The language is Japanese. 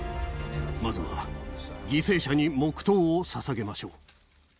まずは犠牲者に黙とうをささげましょう。